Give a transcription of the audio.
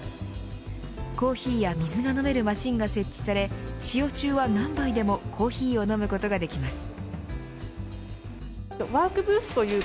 コーヒーや水が飲めるマシンが設置され使用中は何杯でもコーヒーを飲むことができます。